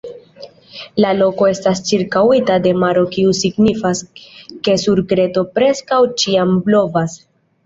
La loko estas ĉirkaŭita de maro kiu signifas, ke sur Kreto preskaŭ ĉiam blovas.